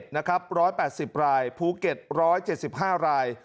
๑นะครับ๑๘๐รายภูเก็ต๑๗๕ราย